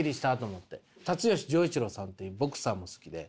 辰一郎さんっていうボクサーも好きで。